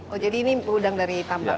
oh jadi ini udang dari tambang